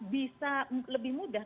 bisa lebih mudah